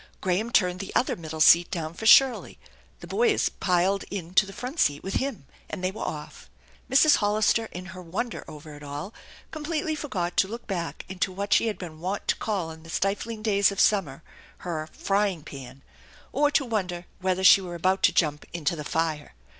Graham turned the other middle seat down for Shirley; the boys piled into the front seat with him; and they were off. Mrs. Hollister in her wonder over it all completely forgot to look back into what she had been wont to call in the stifling days of summer her "frying pan," or to wonder whether she were about to jump into the fire.